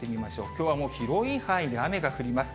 きょうはもう、広い範囲で雨が降ります。